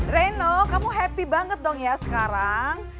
reno kamu happy banget dong ya sekarang